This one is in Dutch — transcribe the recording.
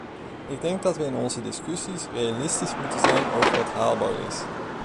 Ik denk dat we in onze discussies realistisch moeten zijn over wat haalbaar is.